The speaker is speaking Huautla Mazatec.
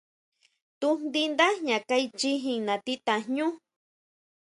Tujndi nda jña kaichijin nati tajñú.